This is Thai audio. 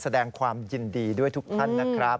แสดงความยินดีด้วยทุกท่านนะครับ